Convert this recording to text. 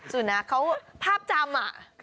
สุนัขเขาภาพจำ